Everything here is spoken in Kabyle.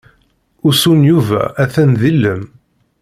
Usu n Yuba atan d ilem.